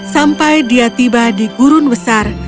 sampai dia tiba di gurun besar